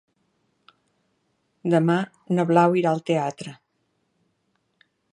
Demà na Blau irà al teatre.